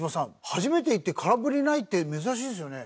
初めて行って空振りないって珍しいですよね？